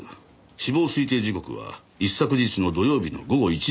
死亡推定時刻は一昨日の土曜日の午後１時から５時の間。